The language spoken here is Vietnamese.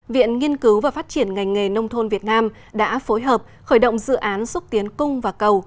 viện nghiên cứu và phát triển ngành nghề nông thôn việt nam đã phối hợp khởi động dự án xúc tiến cung và cầu